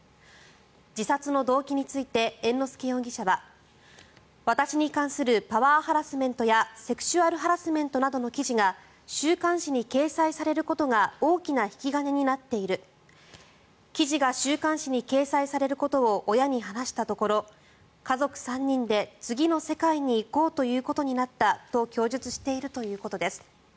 自殺の動機について猿之助容疑者は私に関するパワーハラスメントやセクシュアルハラスメントなどの記事が週刊誌に掲載されることが大きな引き金になっている記事が週刊誌に掲載されることを親に話したところ家族３人で次の世界に行こうということになったと供述しているということです。